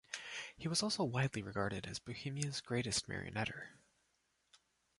He was also widely regarded as Bohemia's greatest marionnetter.